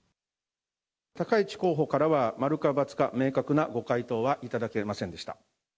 高市候補からは、〇か×か明確なご回答は頂けませんでした。